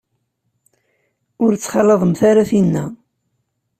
Ur ttxalaḍemt ara tinna.